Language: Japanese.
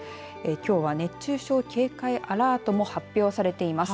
きょうは熱中症警戒アラートも発表されています。